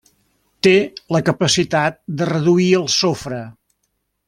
Té la capacitat de reduir el sofre.